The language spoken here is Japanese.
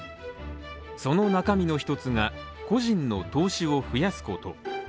その中身の一つが個人の投資を増やすこと。